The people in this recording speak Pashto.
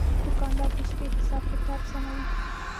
دوکاندار د شپې حساب کتاب سموي.